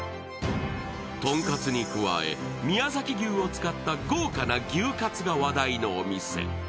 とんかつに加え、宮崎牛を使った豪華な牛カツが話題のお店。